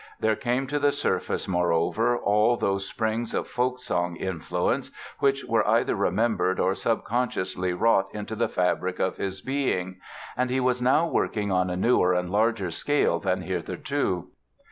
There came to the surface, moreover, all those springs of folk song influence which were either remembered or subconsciously wrought into the fabric of his being. And he was now working on a newer and larger scale than hitherto.